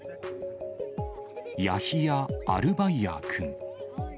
ヤヒヤ・アルバイヤー君。